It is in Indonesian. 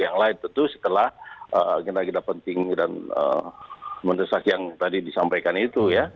yang lain tentu setelah agenda agenda penting dan mendesak yang tadi disampaikan itu ya